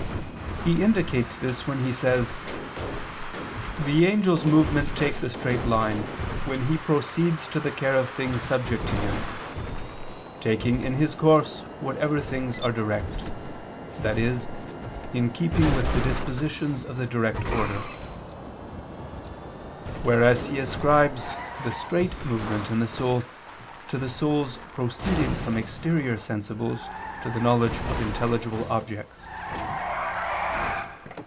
He indicates this when he says: "The angel's movement takes a straight line when he proceeds to the care of things subject to him, taking in his course whatever things are direct," i.e. in keeping with the dispositions of the direct order. Whereas he ascribes the "straight" movement in the soul to the soul's proceeding from exterior sensibles to the knowledge of intelligible objects.